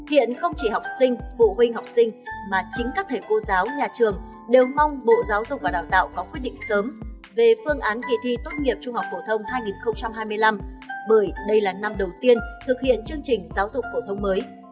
hiện không chỉ học sinh phụ huynh học sinh mà chính các thể cô giáo nhà trường đều mong bộ giáo dục và đào tạo có quyết định sớm về phương án kỳ thi tốt nghiệp trung học phổ thông hai nghìn hai mươi năm bởi đây là năm đầu tiên thực hiện chương trình giáo dục phổ thông mới